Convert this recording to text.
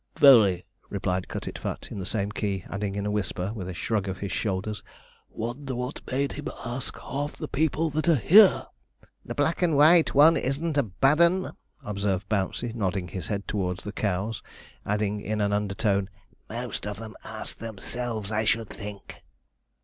'Very,' replied Cutitfat, in the same key, adding, in a whisper, with a shrug of his shoulders, 'Wonder what made him ask half the people that are here!' 'The black and white one isn't a bad un,' observed Bouncey, nodding his head towards the cows, adding in an undertone, 'Most of them asked themselves, I should think.'